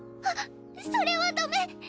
あっそれはだめ！